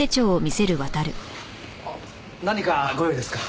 何かご用ですか？